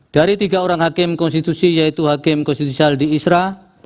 dari tiga orang hakim konstitusi yaitu hakim konstitusial di isra